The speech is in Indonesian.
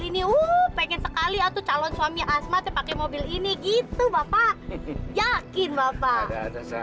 ini uh pengen sekali atau calon suami asmat pakai mobil ini gitu bapak yakin bapak ada ada satu